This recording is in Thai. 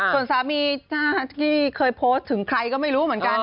ส่วนสามีที่เคยโพสต์ถึงใครก็ไม่รู้เหมือนกัน